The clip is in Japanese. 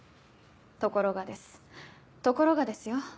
ところがですところがですよ？